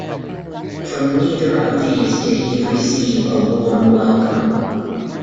From neither of these did he receive a warm welcome.